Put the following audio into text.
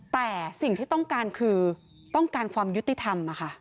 แต่สิ่งที่ต้องการคือต้องการความยุติธรรม